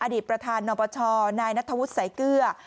อดีตประธานนปชนนัทธวุษย์ไสเกื้อ